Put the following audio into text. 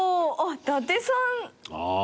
伊達さん。